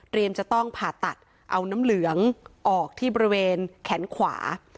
จะต้องผ่าตัดเอาน้ำเหลืองออกที่บริเวณแขนขวา